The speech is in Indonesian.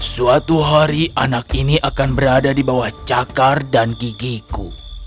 suatu hari anak ini akan berada di bawah cakar dan gigiku